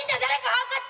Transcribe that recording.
ハンカチ？